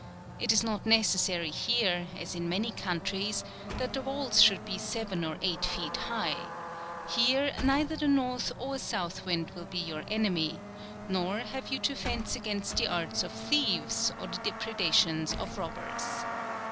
It is not neces sary here, as in many countries, that the wails should be seven or eight feet high, — here neither the north or sou'h wind will be your enemy ; nor have you to fence against the arts of thieves, or the depreda tions of robbers.